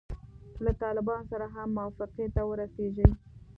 له طالبانو سره هم موافقې ته ورسیږي.